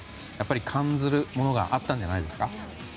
感ずるものがあったんじゃないですか？